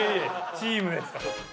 チームですから。